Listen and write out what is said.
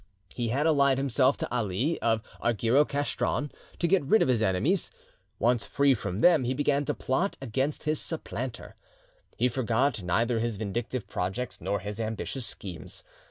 He had allied himself to Ali of Argyro Castron to get rid of his enemies; once free from them, he began to plot against his supplanter. He forgot neither his vindictive projects nor his ambitious schemes.